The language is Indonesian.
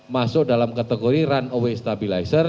masuk dalam kategori run away stabilizer